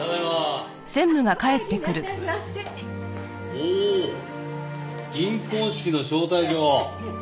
おお銀婚式の招待状。